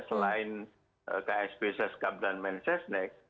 selain ksp sescap dan men sescanec